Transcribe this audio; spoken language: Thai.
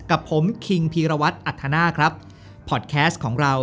กับผมคิงพีรวัตรอัธนาคครับพอดแคสต์ของเรา